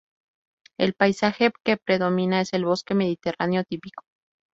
El paisaje que predomina es el bosque mediterráneo típico.